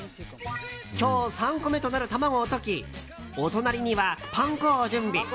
今日３個目となる卵を溶きお隣にはパン粉を準備。